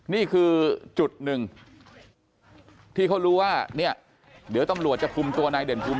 นี่คือจุดหนึ่งที่เขารู้ว่าเนี่ยเดี๋ยวตำรวจจะคุมตัวนายเด่นภูมิ